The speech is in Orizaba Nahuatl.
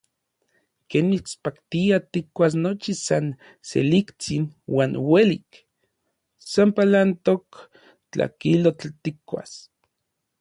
Ken mitspaktia tikkuas nochi san seliktsin uan uelik, san palantok tlakilotl tikkuas.